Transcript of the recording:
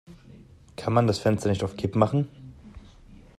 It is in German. Kann man das Fenster nicht auf Kipp machen?